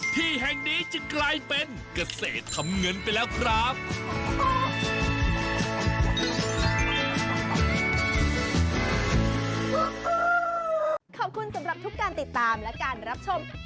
ที่แห่งนี้จะกลายเป็นเกษตรทำเงินไปแล้วครับ